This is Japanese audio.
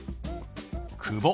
「久保」。